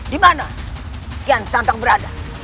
di mana kian santang berada